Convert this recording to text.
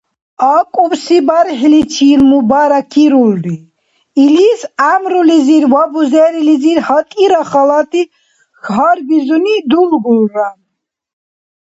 АкӀубси бархӀиличил мубаракирули, илис гӀямрулизир ва бузерилизир гьатӀира халати гьарбизуни дулгулра.